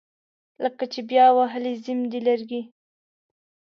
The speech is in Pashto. لکه چې بیا وهلي زیم دي لرګي